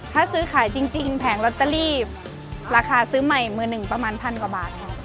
ถ้าซื้อขายจริงแผงลอตเตอรี่ราคาซื้อใหม่มือหนึ่งประมาณพันกว่าบาทค่ะ